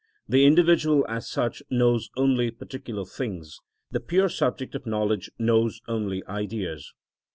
The individual, as such, knows only particular things; the pure subject of knowledge knows only Ideas.